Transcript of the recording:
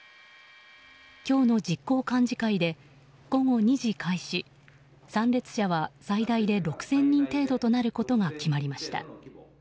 今日の実行幹事会で午後２時開始参列者は最大で６０００人程度となることが決まりました。